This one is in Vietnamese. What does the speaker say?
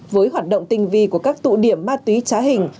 với hoạt động tinh vi của các tụ điểm ma túy trá hình